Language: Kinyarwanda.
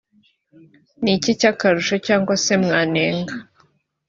ni iki cy’akarusho cyangwa se mwanenga